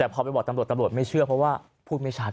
แต่พอไปบอกตำรวจตำรวจไม่เชื่อเพราะว่าพูดไม่ชัด